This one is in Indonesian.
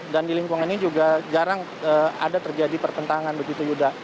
dan di lingkungan ini juga jarang ada terjadi pertentangan begitu yuda